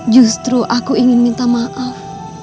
justru aku ingin minta maaf